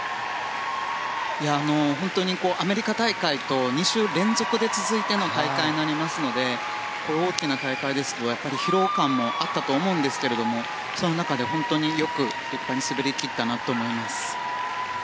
アメリカ大会と２週連続で続いての大会になりますので大きな大会ですと疲労感もあったと思うんですけどもその中で本当によく立派に滑り切ったと思います。